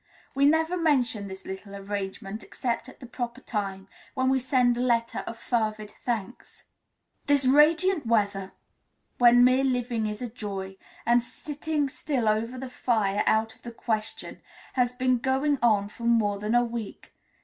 We never mention this little arrangement except at the proper time, when we send a letter of fervid thanks. This radiant weather, when mere living is a joy, and sitting still over the fire out of the question, has been going on for more than a week.